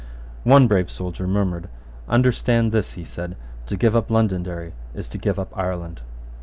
One brave soldier murmured. "Understand this," he said, "to give up Londonderry is to give up Ireland."